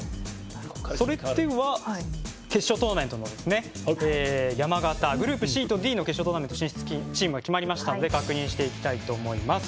それでは決勝トーナメントの山型グループＣとＤの決勝トーナメント進出チームが決まりましたので確認したいと思います。